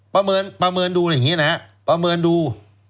ประเมินดูแบบนี้นะครับประเมินดู